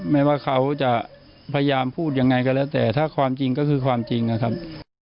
ไม่ว่าเขาจะพยายามพูดยังไงก็แล้วแต่ถ้าความจริงก็คือความจริงนะครับ